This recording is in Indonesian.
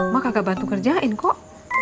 mak kagak bantu ngerjain kok